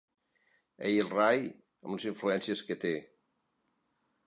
Ell rai, amb les influències que té!